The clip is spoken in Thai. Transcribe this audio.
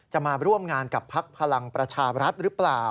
มาร่วมงานกับพักพลังประชารัฐหรือเปล่า